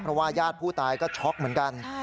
เพราะว่าญาติผู้ตายก็ช็อกเหมือนกัน